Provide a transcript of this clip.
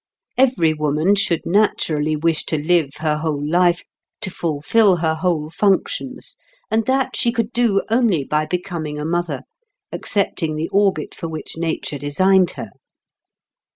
Every woman should naturally wish to live her whole life, to fulfil her whole functions; and that she could do only by becoming a mother, accepting the orbit for which nature designed her.